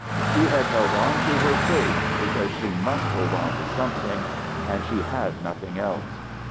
She had held on to her faith because she must hold on to something, and she had nothing else.